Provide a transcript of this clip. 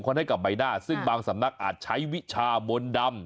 มงคลให้กับไปด้าซึ่งบางสำนักอาจใช้วิชามนดรรม